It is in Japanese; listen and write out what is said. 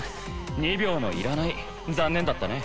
２秒もいらない残念だったね